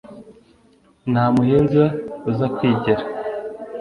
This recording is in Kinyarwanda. nta muhinza uzakwigera,